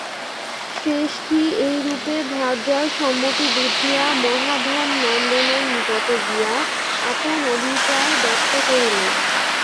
শ্রেষ্ঠী এই রূপে ভার্যার সম্মতি বুঝিয়া মহাধননন্দনের নিকটে গিয়া আপন অভিপ্রায় ব্যক্ত করিলেন।